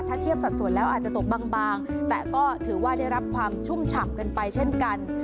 ถ้าเทียบสัดส่วนแล้วอาจจะตกบางแต่ก็ถือว่าได้รับความชุ่มฉ่ำกันไปเช่นกัน